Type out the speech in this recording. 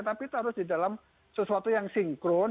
tapi itu harus di dalam sesuatu yang sinkron